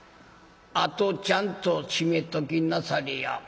「あとちゃんと閉めときなされや」。